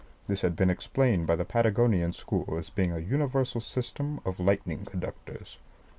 This had been explained by the Patagonian school as being a universal system of lightning conductors.